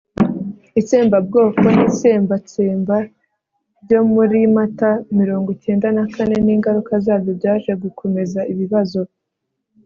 itsembabwoko n'itsembatsemba byo muri mata mirongo icyenda na kane n'ingaruka zabyo byaje gukomeza ibibazo